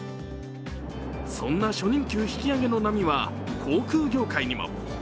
そんな初任給引き上げの波は、航空業界にも。